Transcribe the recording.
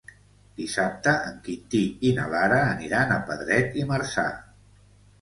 Dissabte en Quintí i na Lara aniran a Pedret i Marzà.